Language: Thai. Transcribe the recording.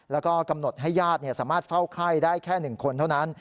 แล้วก็กำหนดให้ญาติสามารถเฝ้าไข้ได้แค่๑คนเท่านั้น